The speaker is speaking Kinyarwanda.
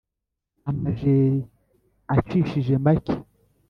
Amajeri acishije make